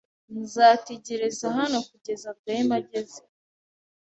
Nzategereza hano kugeza Rwema ageze.